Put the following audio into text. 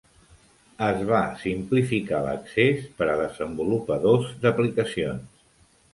Es va simplificar l'accés per a desenvolupadors d'aplicacions.